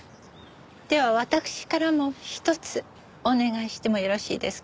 では私からもひとつお願いしてもよろしいですか？